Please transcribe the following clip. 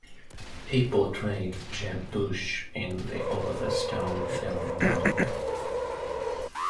He portrayed Jeb Bush in the Oliver Stone film "W".